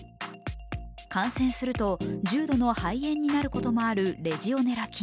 感染すると重度の肺炎になることもあるレジオネラ菌。